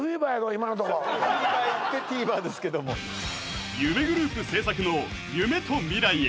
今のとこフィーバーやってティーバーですけども夢グループ制作の「夢と未来へ」